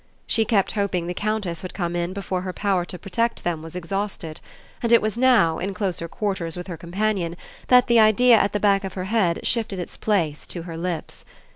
She kept hoping the Countess would come in before her power to protect them was exhausted; and it was now, in closer quarters with her companion, that the idea at the back of her head shifted its place to her lips.